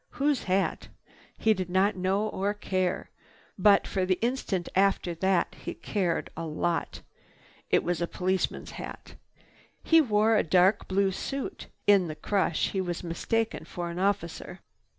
Whose hat? He did not know or care. But for the instant after that he cared a lot. It was a policeman's hat. He wore a dark blue suit. In the crush he was mistaken for an officer.